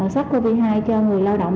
sars cov hai cho người lao động